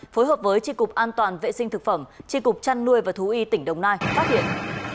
phối hợp với tri cục an toàn vệ sinh thực phẩm tri cục trăn nuôi và thú y tỉnh đồng nai phát hiện